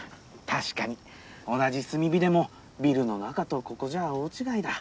確かに同じ炭火でもビルの中とここじゃあ大違いだ。